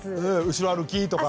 後ろ歩きとか。